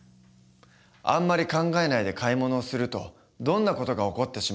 あんまり考えないで買い物をするとどんな事が起こってしまうのか。